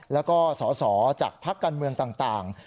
แล้วก็สศจากพักกันเมืองต่าง